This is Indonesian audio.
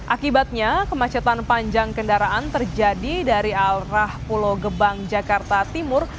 akibatnya kemacetan panjang kendaraan terjadi dari arah pulau gebang jakarta timur